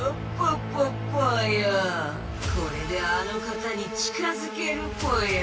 これであの方に近づけるぽよ！